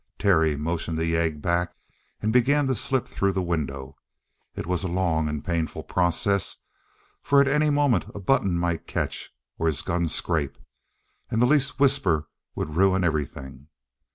Terry motioned the yegg back and began to slip through the window. It was a long and painful process, for at any moment a button might catch or his gun scrape and the least whisper would ruin everything.